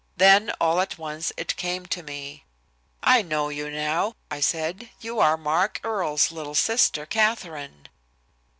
Then all at once it came to me. "'I know you now,' I said. 'You are Mark Earle's little sister, Katherine.'"